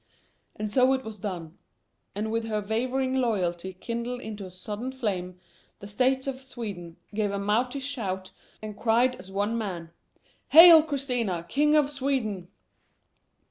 And so it was done. And with their wavering loyalty kindled into a sudden flame, the States of Sweden "gave a mighty shout" and cried as one man, "Hail, Christina, King of Sweden!"